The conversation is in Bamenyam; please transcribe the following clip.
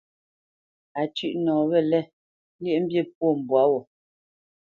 A cʉ́ʼ nɔ wɛ̂lɛ̂, lyéʼmbî pwô mbwǎ wo.